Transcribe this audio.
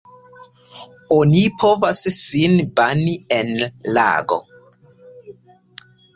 Oni povas sin bani en lago.